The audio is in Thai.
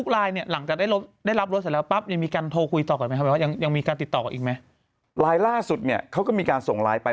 รายล่าสุดเขาก็มีการส่งลายไป